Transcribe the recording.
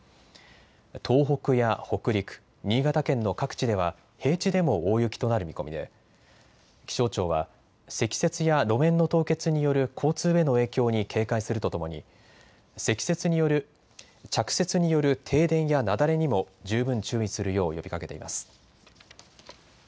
東北や北陸、新潟県の各地では平地でも大雪となる見込みで気象庁は積雪や路面の凍結による交通への影響に警戒するとともに着雪による停電や雪崩にも十分注意するよう呼びかけています。